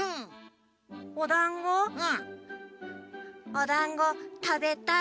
おだんごたべたい。